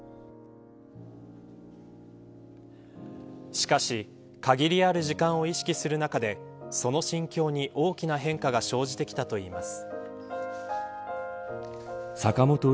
しかし限りある時間を意識する中でその心境に大きな変化が生じてきたといいます。